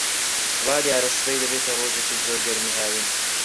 وا دیارە سبەی دەبێتە ڕۆژێکی زۆر گەرمی هاوین.